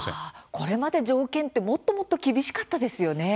これまで条件ってもっともっと厳しかったですよね。